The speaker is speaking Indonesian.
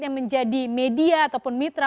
yang menjadi media ataupun mitra